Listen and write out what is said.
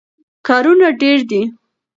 کارونه ډېر دي.